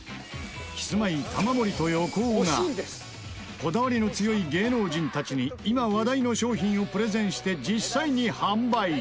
キスマイ、玉森と横尾がこだわりの強い芸能人たちに今話題の商品をプレゼンして実際に販売！